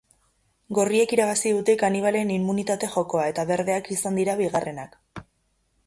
Gorriek irabazi dute kanibalen immunitate jokoa eta berdeak izan dira bigarrenak.